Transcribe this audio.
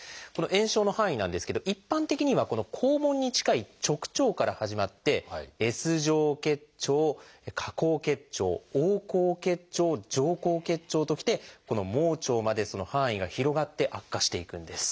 炎症の範囲なんですけど一般的にはこの肛門に近い直腸から始まってＳ状結腸下行結腸横行結腸上行結腸ときてこの盲腸までその範囲が広がって悪化していくんです。